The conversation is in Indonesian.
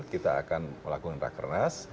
kita akan melakukan rak keras